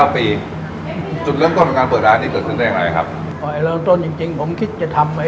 ปีจุดเรื่องก้อนการเปิดร้านที่เกิดขึ้นได้ยังไงครับพอเริ่มต้นจริงจริงผมคิดจะทำ